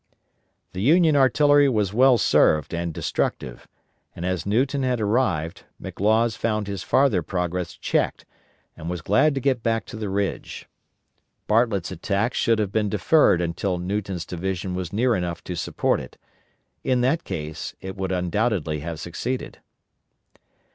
The Union artillery was well served and destructive, and as Newton had arrived, McLaws found his farther progress checked and was glad to get back to the ridge. Bartlett's attack should have been deferred until Newton's division was near enough to support it. In that case it would undoubtedly have succeeded.